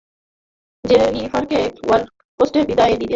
জেনিফারকে এয়ারপোর্টে বিদায় দিয়ে বাড়ি ফেরার পরে অনেকক্ষণ কেঁদেছিল শামসুল আলম।